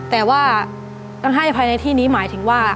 แต่ว่าต้องให้ภายในที่นี้หมายถึงว่า